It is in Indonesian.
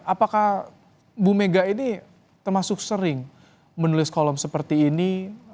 apakah bu mega ini termasuk sering menulis kolom seperti ini